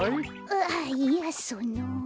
ああいやその。